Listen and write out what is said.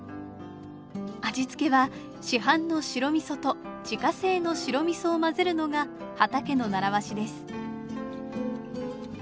味付けは市販の白みそと自家製の白みそを混ぜるのが秦家の習わしです。